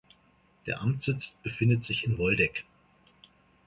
Der Amtssitz befindet sich in Woldegk.